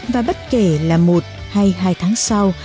và bất kể là một hay hai tháng sau